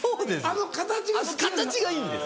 あの形がいいんです。